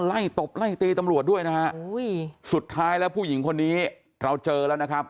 ตบไล่ตีตำรวจด้วยนะฮะสุดท้ายแล้วผู้หญิงคนนี้เราเจอแล้วนะครับ